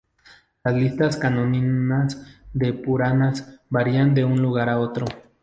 Las listas canónicas de "Puranas" varían de un lugar a otro.